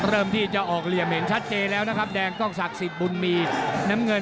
เริ่มที่จะออกเหลี่ยมเห็นชัดเจนแล้วนะครับแดงกล้องศักดิ์สิทธิ์บุญมีน้ำเงิน